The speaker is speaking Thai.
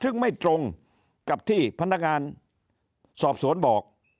ซึ่งไม่ตรงกับที่พนักงานสอบสวนบอก